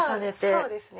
そうですね。